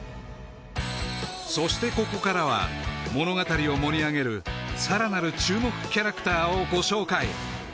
そしてここからは物語を盛り上げるさらなる注目キャラクターをご紹介